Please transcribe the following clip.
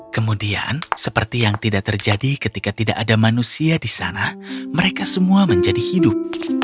kemudian seperti yang tidak terjadi ketika tidak ada manusia di sana mereka semua menjadi hidup